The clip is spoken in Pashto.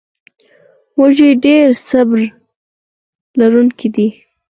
وزې ډېرې صبر لرونکې دي